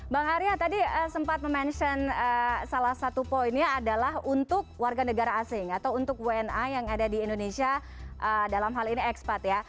bang arya tadi sempat mention salah satu poinnya adalah untuk warga negara asing atau untuk wna yang ada di indonesia dalam hal ini ekspat ya